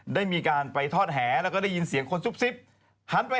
ไม่มีคนใดแต่เป็นเสียงมาจากเต่า